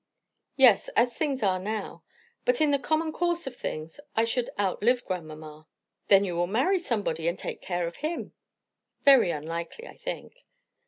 "Yes as things are now. But in the common course of things I should outlive grandmamma." "Then you will marry somebody, and take care of him." "Very unlikely, I think."